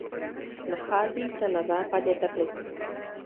Nachází se na západě Teplic.